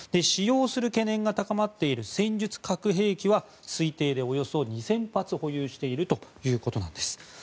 使用する懸念が高まっている戦術核兵器は推定でおよそ２０００発保有しているということです。